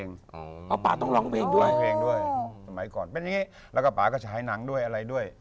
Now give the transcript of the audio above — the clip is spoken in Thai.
สมัยก่อนเป็นแบบนี้แล้วก็ป้าก็ฉายหนังด้วยอะไรด้วย